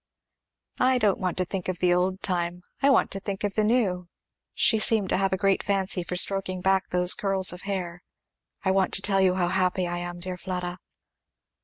"I don't want to think of the old time I want to think of the new," she seemed to have a great fancy for stroking back those curls of hair; "I want to tell you how happy I am, dear Fleda."